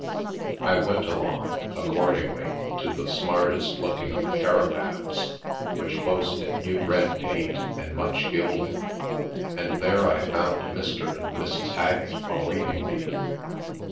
I went along, accordingly, to the smartest looking of the caravans, which boasted new red paint and much gilding, and there I found Mr. and Mrs. Haggett await ing me.